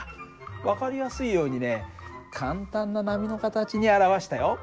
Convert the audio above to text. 分かりやすいようにね簡単な波の形に表したよ。